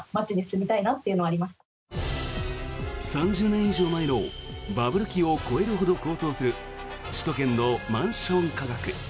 ３０年以上前のバブル期を超えるほど高騰する首都圏のマンション価格。